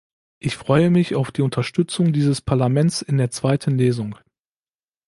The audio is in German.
Ich freue mich auf die Unterstützung dieses Parlaments in der zweiten Lesung.